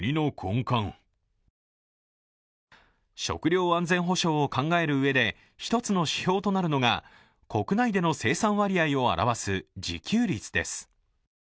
食料安全保障を考えるうえで１つの指標となるのが国内での生産割合を表す自給率です。